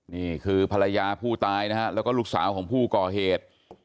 นี่คือภรรยาผู้ตายนะฮะแล้วก็ลูกสาวของผู้ก่อเหตุ